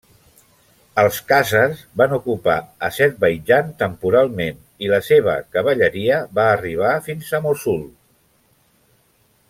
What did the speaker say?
Els khàzars van ocupar Azerbaidjan temporalment i la seva cavalleria va arribar fins a Mossul.